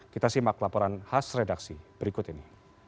kita simak laporan khas redaksi berikut ini